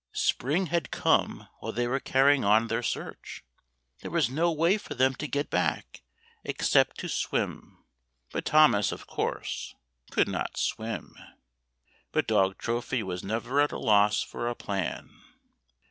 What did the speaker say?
Spring had come while they were cariying on their search. There was no way for them to get back except to [ 60 ] THE ENCHANTED MEAD swim. But Thomas, of course, could not swim! But dog Trophy was never at a loss for a plan.